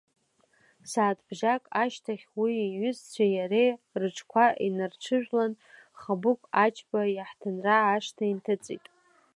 Сааҭбжак ашьҭахь уи иҩызцәеи иареи рыҽқәа инарҽыжәлан, Хабыгә Ачба иаҳҭынра ашҭа инҭыҵит.